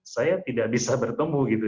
saya tidak bisa bertemu gitu